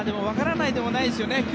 分からないでもないですよね。